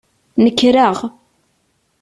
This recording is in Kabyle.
Nekreɣ.